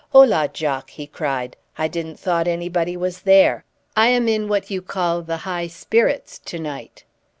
"Hola, Jock!" he cried. "I didn't thought anybody was there. I am in what you call the high spirits to night."